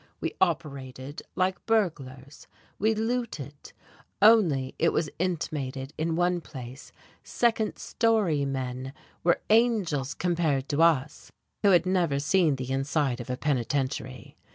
We "operated," like burglars; we "looted": only, it was intimated in one place, "second story men" were angels compared to us, who had never seen the inside of a penitentiary.